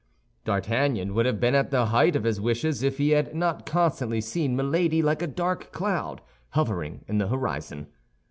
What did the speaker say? D'Artagnan would have been at the height of his wishes if he had not constantly seen Milady like a dark cloud hovering in the horizon.